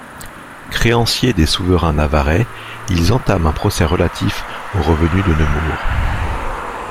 Créanciers des souverains navarrais ils entament un procès relatif aux revenus de Nemours.